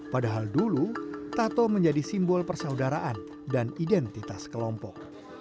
padahal dulu tato menjadi simbol persaudaraan dan identitas kelompok